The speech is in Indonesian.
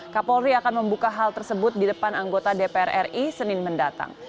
kapolri akan membuka hal tersebut di depan anggota dpr ri senin mendatang